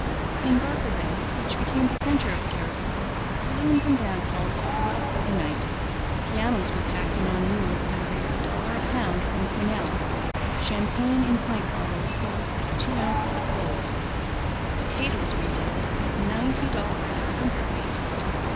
In Barkerville, which became the centre of Cariboo, saloons and dance halls grew up overnight. Pianos were packed in on mules at a rate of a dollar a pound from Quesnel. Champagne in pint bottles sold at two ounces of gold. Potatoes retailed at ninety dollars a hundredweight.